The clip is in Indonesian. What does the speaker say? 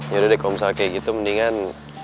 ya udah deh kalau misalnya kayak gitu mendingan